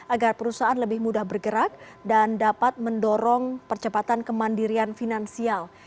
agar perusahaan lebih mudah bergerak dan dapat mendorong percepatan kemandirian finansial